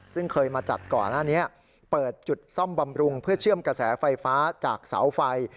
ซึ่งเคยมาจัดก่อนหน้านี้เปิดจุดซ่อมบำรุงเพื่อเชื่อมกระแสไฟฟ้าจากเสาไฟ